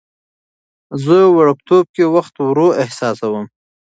زه وړوکتوب کې وخت ورو احساسوم.